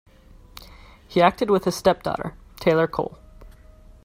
He acted with his stepdaughter, Taylor Cole.